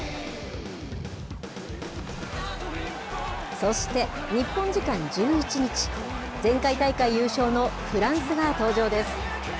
そして日本時間１１日、前回大会優勝のフランスが登場です。